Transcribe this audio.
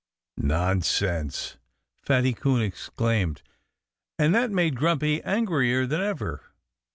"Nonsense!" Fatty Coon exclaimed. And that made Grumpy angrier than ever.